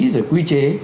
rồi quy chế